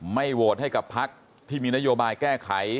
โหวตให้กับพักที่มีนโยบายแก้ไข